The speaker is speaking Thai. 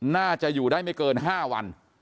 น่าจะอยู่ได้ไม่เกิน๕วัน